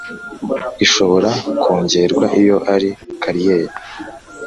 ishobora kongerwa iyo ari kariyeri